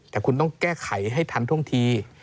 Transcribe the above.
แต่คุณต้องแก้ไขให้ทันท่วงที